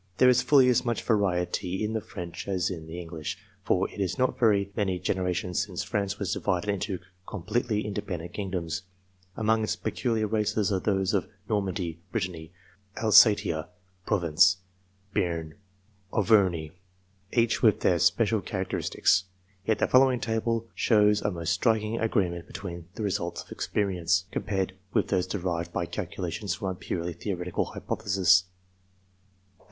There is fully as much variety in the French as in the English, for it is not very many generations since France ACCORDING TO THEIR NATURAL GIFTS 27 was divided into completely independent kingdoms. Among its peculiar races are those of Normandy; Brit tany, Alsatia, Provence, Bearne, Auvergne each with their special characteristics ; yet the following table shows a most striking agreement between the results of experience compared with those derived by calculation, from a purely theoretical hypothesis : Height of Men.